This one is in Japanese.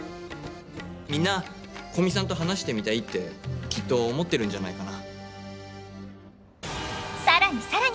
みんな古見さんと話してみたいってきっと思ってるんじゃないかな。